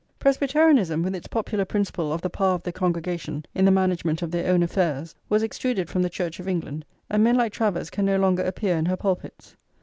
Presbyterianism, with its popular principle of the power of the congregation in the management of [xl] their own affairs, was extruded from the Church of England, and men like Travers can no longer appear in her pulpits.